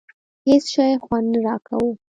هېڅ شي خوند نه راکاوه.